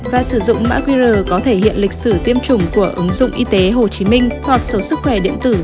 và sử dụng mã qr có thể hiện lịch sử tiêm chủng của ứng dụng y tế hồ chí minh hoặc số sức khỏe điện tử